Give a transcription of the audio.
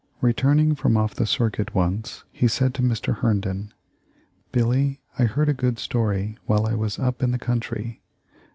Returning from off the circuit once he said to Mr. Herndon: 'Billy, I heard a good story while I was up in the country.